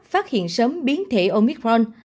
phát hiện sớm biến thể omicron